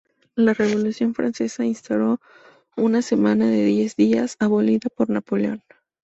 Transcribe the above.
La revolución francesa instauró una semana de diez días, abolida por Napoleón.